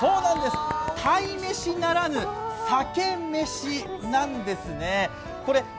鯛めしならぬ鮭めしなんですね。